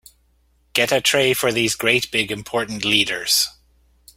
Get a tray for these great big important leaders.